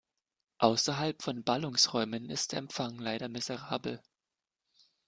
Außerhalb von Ballungsräumen ist der Empfang leider miserabel.